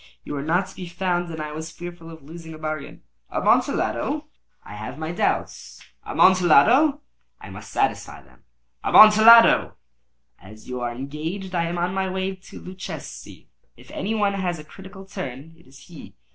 You were not to be found, and I was fearful of losing a bargain." "Amontillado!" "I have my doubts." "Amontillado!" "And I must satisfy them." "Amontillado!" "As you are engaged, I am on my way to Luchesi. If any one has a critical turn, it is he.